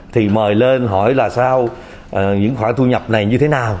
thì mời lên hỏi là sao những khoản thu nhập này như thế nào